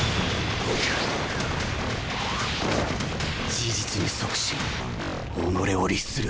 事実に即し己を律する。